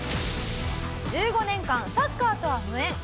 １５年間サッカーとは無縁。